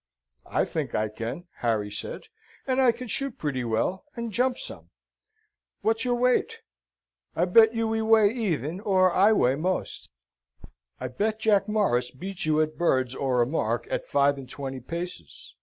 "I think I can," Harry said; "and I can shoot pretty well, and jump some." "What's your weight? I bet you we weigh even, or I weigh most. I bet you Jack Morris beats you at birds or a mark, at five and twenty paces.